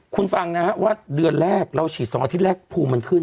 คุณฟังนะฮะว่าเดือนแรกเราฉีด๒อาทิตย์แรกภูมิมันขึ้น